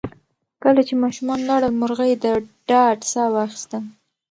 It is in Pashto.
کله چې ماشومان لاړل، مرغۍ د ډاډ ساه واخیسته.